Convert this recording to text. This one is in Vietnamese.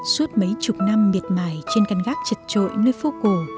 suốt mấy chục năm miệt mải trên căn gác chật chội nơi phố cổ